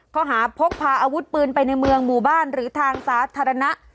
ข้อหาพกพาอาวุธปืนไปในเมืองหมู่บ้านหรือทางสาธารณะ